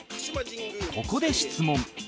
ここで質問